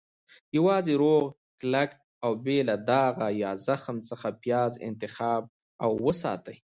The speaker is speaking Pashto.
- یوازې روغ، کلک، او بې له داغه یا زخم څخه پیاز انتخاب او وساتئ.